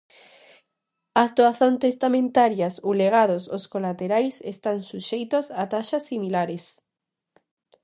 As doazóns testamentarias ou legados aos colaterais están suxeitos a taxas similares.